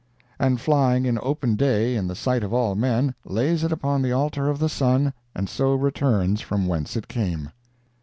And flying in open day in the sight of all men, lays it upon the altar of the sun, and so returns from whence it came.